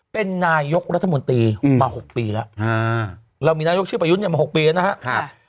เป็นนายกรัฐมนตรีมา๖ปีแล้วเรามีนายกชื่อประยุทธ์มา๖ปีแล้วนะครับ